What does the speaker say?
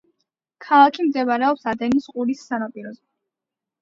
ქალაქი მდებარეობს ადენის ყურის სანაპიროზე.